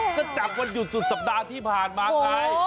ก็จากวันหยุดสุดส่วนที่ผ่านมาไหน